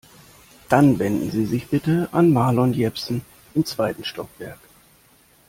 Dann wenden Sie sich bitte an Marlon Jepsen im zweiten Stockwerk.